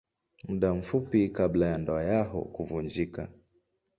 Muda mfupi kabla ya ndoa yao kuvunjika.